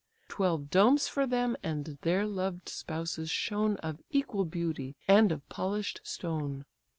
Twelve domes for them and their loved spouses shone, Of equal beauty, and of polish'd stone.